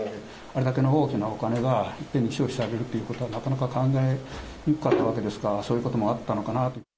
あれだけの大きなお金がいっぺんに消費されるということは、なかなか考えにくかったわけですから、そういうこともあったのかなと。